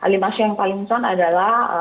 lima show yang paling cuan adalah